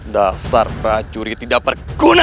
dasar prajurit tidak berguna